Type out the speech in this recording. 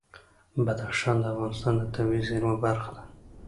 بدخشان د افغانستان د طبیعي زیرمو برخه ده.